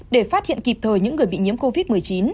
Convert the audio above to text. để phát hiện kịp thời những người bị nhiễm covid một mươi chín